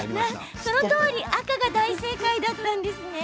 そのとおり赤が大正解だったんですね。